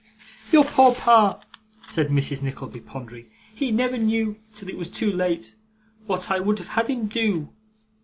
'Your poor pa!' said Mrs. Nickleby, pondering. 'He never knew, till it was too late, what I would have had him do!